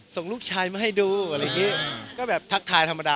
ส่งลูกชายมาให้ดูอะไรอย่างนี้ก็แบบทักทายธรรมดา